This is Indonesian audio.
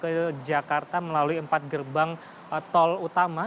ke jakarta melalui empat gerbang tol utama